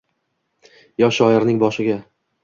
Yosh shoirning boshiga.